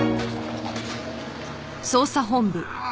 ああ！